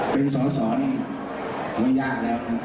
เป็นสอสอนี่ไม่ยากแล้วครับ